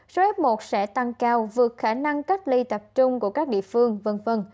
số f một sẽ tăng cao vượt khả năng cách ly tập trung của các địa phương v v